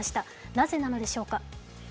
なぜなのでしょうか。